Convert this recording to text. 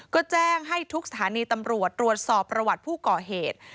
ก็แจ้งให้ทุกสถานีตำรวจตรวจสอบประวัติผู้ก่อเหตุ